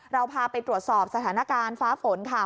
เราพาไปตรวจสอบสถานการณ์ฟ้าฝนค่ะ